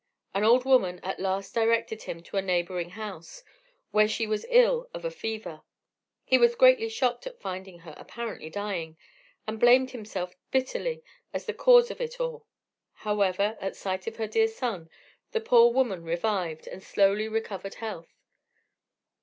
An old woman at last directed him to a neighbouring house, where she was ill of a fever. He was greatly shocked at finding her apparently dying, and blamed himself bitterly as the cause of it all. However, at sight of her dear son, the poor woman revived, and slowly recovered health.